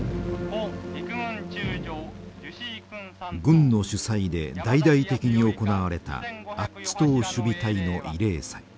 軍の主催で大々的に行われたアッツ島守備隊の慰霊祭。